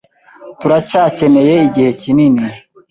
Turacyakeneye igihe kinini.